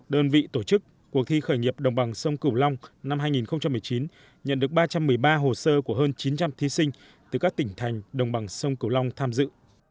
đơn vị tổ chức cuộc thi khởi nghiệp đồng bằng sông cửu long năm hai nghìn một mươi chín nhận được ba trăm một mươi ba hồ sơ của hơn chín trăm linh thí sinh từ các tỉnh thành đồng bằng sông cửu long tham dự